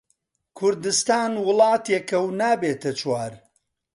کوردستان وڵاتێکە و نابێتە چوار